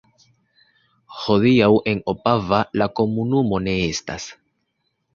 Hodiaŭ en Opava la komunumo ne estas.